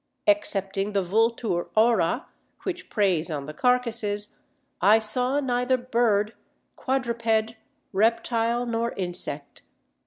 Excepting the Vultur aura, which preys on the carcases, I saw neither bird, quadruped, reptile, nor insect.